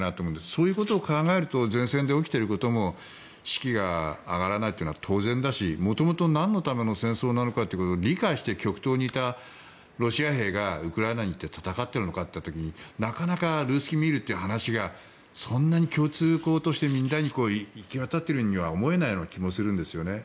そういうことを考えると前線で起きていることも士気が上がらないということは当然だし、元々なんのための戦争なのかということを理解して、極東にいたロシア兵がウクライナに行って戦っているのかといった時になかなかルースキー・ミールということがそんなに共通項としてみんなに行き渡っているようには思えない気がするんですよね。